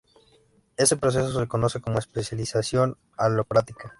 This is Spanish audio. Este proceso se conoce como especiación alopátrica.